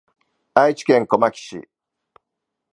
愛知県小牧市